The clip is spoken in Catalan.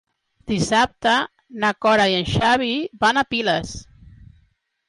Dissabte na Cora i en Xavi van a Piles.